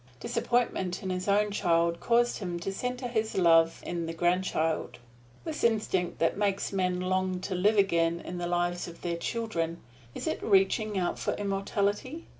Disappointment in his own child caused him to center his love in the grandchild. This instinct that makes men long to live again in the lives of their children is it reaching out for immortality?